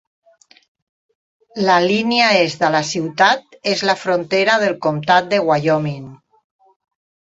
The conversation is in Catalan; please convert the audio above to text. La línia est de la ciutat és la frontera del comtat de Wyoming.